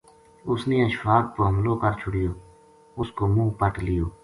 اس نے اشفاق پو حملو کر چھُڑیو اس کو منہ پٹ لیو